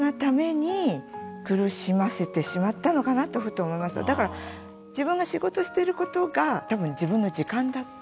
自分が仕事してることが多分自分の時間だったんだと思う。